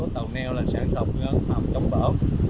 tàu neo là sáng sầu phương án phạm chống bão